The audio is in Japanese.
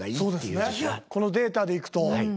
このデータでいくと。